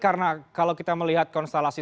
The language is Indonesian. karena kalau kita melihat konstelasi